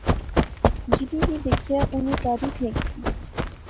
جینی وی دیکھیا اُنی تعریف ایہہ کیتی